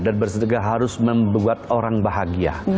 dan bersedekah harus membuat orang bahagia